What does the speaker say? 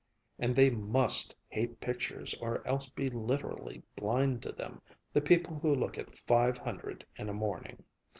And they must hate pictures or else be literally blind to them, the people who look at five hundred in a morning!